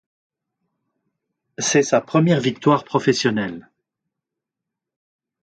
C'est sa première victoire professionnelle.